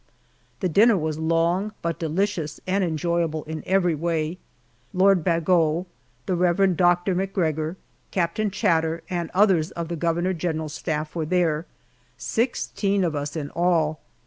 The dinner was long, but delicious and enjoyable in every way. Lord Bagot, the Rev. Dr. MacGregor, Captain Chater, and others of the governor general's staff were there sixteen of us in all.